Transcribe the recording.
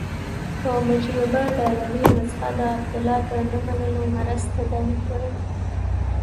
په مجربه ډالري نسخه د عبدالله د نه منلو مرض تداوي کړي.